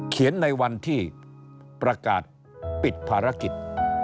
ในวันที่ประกาศปิดภารกิจ